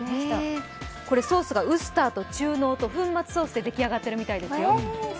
これ、ソースがウスターと中濃と粉末ソースで出来上がってるそうです。